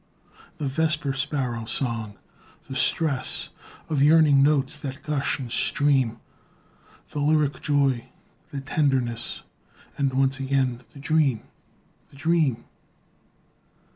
The vesper sparrow's song, the stress Of yearning notes that gush and stream, The lyric joy, the tenderness, And once again the dream! the dream!